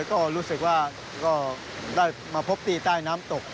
ก็รู้สึกว่าก็ได้มาพบที่ใต้น้ำตก